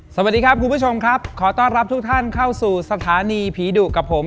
สวัสดีครับคุณผู้ชมครับขอต้อนรับทุกท่านเข้าสู่สถานีผีดุกับผม